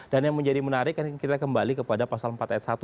dan yang menjadi menarik kan kita kembali kepada pasal empat ad satu